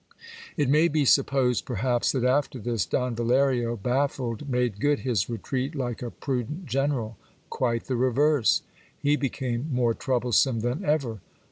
It may be supposed, perhaps, that after this, Don Valerio, baffled, made good his retreat like a prudent general. Quite the reverse ! He became more troublesome than ever.